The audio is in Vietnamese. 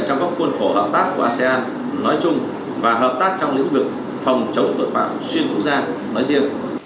trong các khuôn khổ hợp tác của asean nói chung và hợp tác trong những vực phòng chống tội phạm xuyên quốc gia nói riêng